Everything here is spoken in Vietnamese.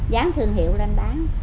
dán thương hiệu lên bán